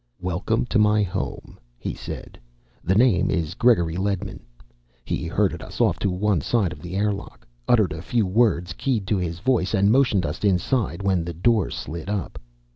"Welcome to my home," he said. "The name is Gregory Ledman." He herded us off to one side of the airlock, uttered a few words keyed to his voice, and motioned us inside when the door slid up.